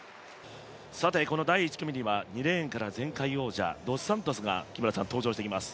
そしてこの第１組には前回王者、ドスサントスが登場してきます。